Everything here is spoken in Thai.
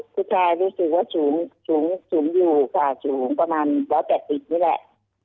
ผู้ชายรู้สึกว่าสูงอยู่ค่ะสูงประมาณ๑๘๐นี่แหละ